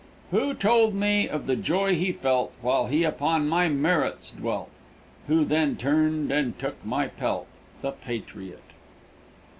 Who told me of the joy he felt, While he upon my merits dwelt? Who then turned in and took my pelt? The Patriot.